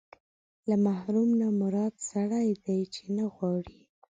له محروم نه مراد سړی دی چې نه غواړي.